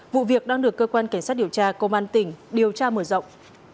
vụ việc đang được cơ quan cảnh sát điều tra công an tỉnh điều tra mở rộng